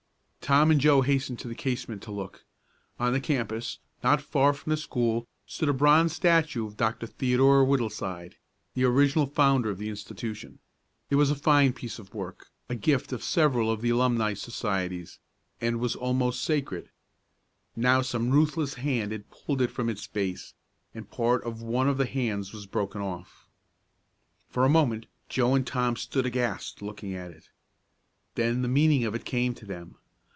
Tom and Joe hastened to the casement to look. On the campus, not far from the school, stood a bronze statue of Dr. Theodore Whittleside, the original founder of the institution. It was a fine piece of work, the gift of several of the alumni societies, and was almost sacred. Now some ruthless hand had pulled it from its base, and part of one of the hands was broken off. For a moment Joe and Tom stood aghast, looking at it. Then the meaning of it came to them.